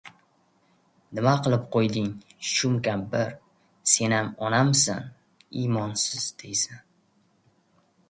Nima qilib qo‘yding, shum- kampir, senam onamisan, imonsiz, deysan!